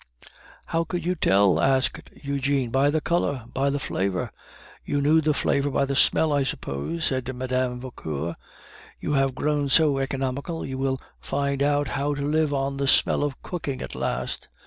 "How could you tell?" asked Eugene. "By the color, by the flavor." "You knew the flavor by the smell, I suppose," said Mme. Vauquer. "You have grown so economical, you will find out how to live on the smell of cooking at last."